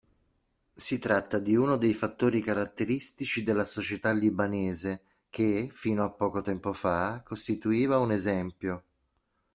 Si tratta di uno dei fattori caratteristici della società libanese che, fino a poco tempo fa, costituiva un esempio.